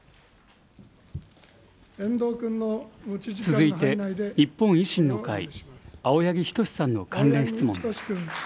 続いて、日本維新の会、青柳仁士さんの関連質問です。